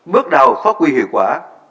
bước đầu phát huy hiệu quả